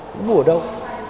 muốn mua ở đâu